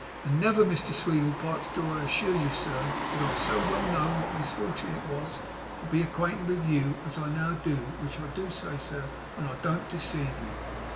And never, Mr Sweedlepipes, I do assure you, sir, did I so well know what a misfortun it was to be acquainted with you, as now I do, which so I say, sir, and I don't deceive you!